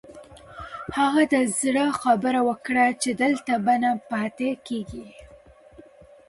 هغه د زړه خبره وکړه چې دلته به نه پاتې کېږي.